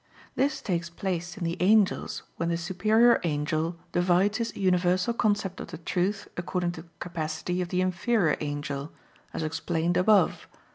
This takes place in the angels when the superior angel divides his universal concept of the truth according to the capacity of the inferior angel, as explained above (Q.